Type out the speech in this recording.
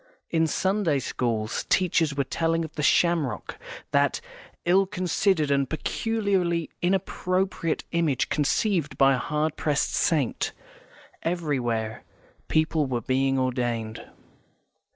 In Sunday schools, teachers were telling of the shamrock, that ill considered and peculiarly inappropriate image conceived by a hard pressed saint. Everywhere people were being ordained.